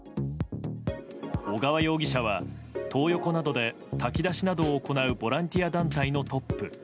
小川容疑者はトー横などで炊き出しなどを行うボランティア団体のトップ。